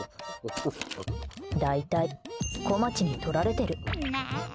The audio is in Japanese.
大体こまちに取られてる。